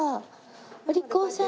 お利口さんね。